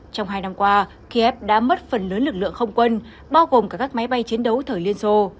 trong hai năm qua kiev đã mất phần lớn lực lượng không quân bao gồm cả các máy bay chiến đấu thời liên xô